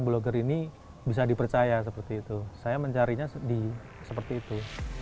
blogger ini bisa dipercaya seperti itu saya mencarinya di seperti itu